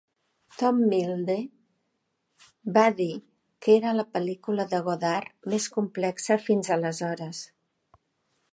Tom Milne va dir que era "la pel·lícula de Godard més complexa fins aleshores.